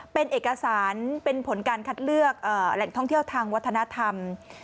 เป็นเอกสารเป็นผลการคัดเลือกแหล่งท่องเที่ยวทางวัฒนธรรม